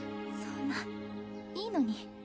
そんないいのに。